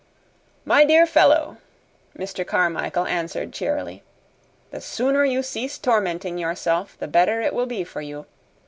"My dear fellow," Mr. Carmichael answered cheerily, "the sooner you cease tormenting yourself the better it will be for you.